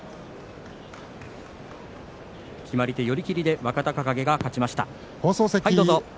決まり手、寄り切りで若隆景が勝ちました。